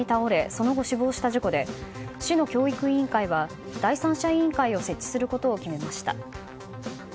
その後、死亡した事故で市の教育委員会は第三者委員会を設置することを決めました。